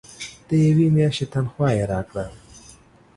د یوې میاشتي تنخواه یې راکړه.